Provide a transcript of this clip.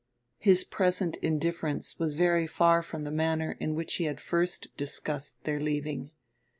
His present indifference was very far from the manner in which he had first discussed their leaving.